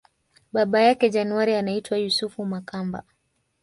Baba yake January anaitwa Yusufu Makamba